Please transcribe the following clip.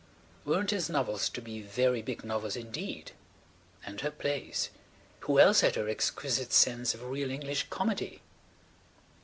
Weren't his novels to be very big novels indeed? And her plays. Who else had her exquisite sense of real English Comedy?